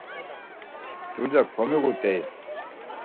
Dulya komiğurt̆ey.